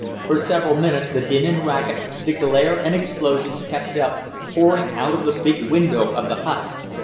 For several minutes the din and racket, the glare and explosions, kept up, pouring out of the big window of the hut.